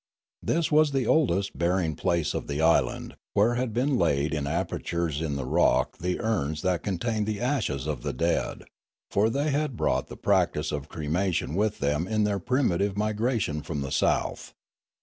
This was the oldest burying place of the island, where had been laid in apertures in the rock the urns that contained the ashes of the dead; for they had brought the practice of cremation with them in their primitive migration from the south.